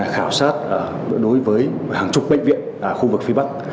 khảo sát đối với hàng chục bệnh viện khu vực phía bắc